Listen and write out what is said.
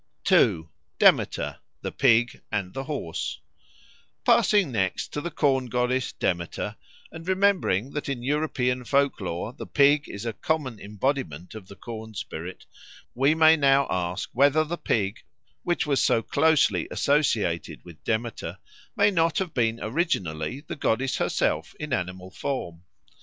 _ 2. Demeter, the Pig and the Horse PASSING next to the corn goddess Demeter, and remembering that in European folk lore the pig is a common embodiment of the corn spirit, we may now ask whether the pig, which was so closely associated with Demeter, may not have been originally the goddess herself in animal form.